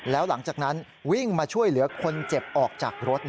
แล้วหลังจากนั้นวิ่งมาช่วยเหลือคนเจ็บออกจากรถ